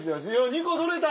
２個採れた！